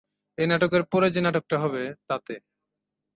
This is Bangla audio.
এ নাটকের পরে যে নাটকটা হবে, তাতে।